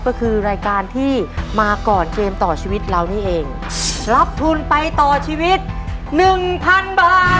ก็คือรายการที่มาก่อนเกมต่อชีวิตเรานี่เองรับทุนไปต่อชีวิตหนึ่งพันบาท